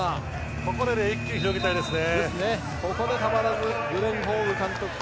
ここで一気に広げたいですね。